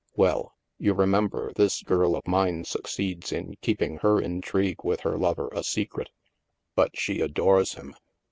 Well, you remember, this girl of mine succeeds in keeping her intrigue with her lover a secret. But she adores him.